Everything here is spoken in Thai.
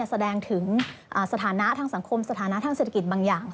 แสดงถึงสถานะทางสังคมสถานะทางเศรษฐกิจบางอย่าง